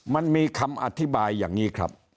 มันมีคำอธิบายอย่างนี้ครับ